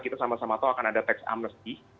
kita sama sama tahu akan ada tax amnesty